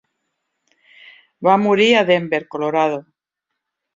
Va morir a Denver (Colorado).